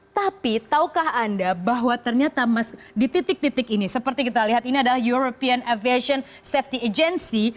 tapi tahukah anda bahwa ternyata di titik titik ini seperti kita lihat ini adalah european aviation safety agency